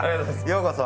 ようこそ。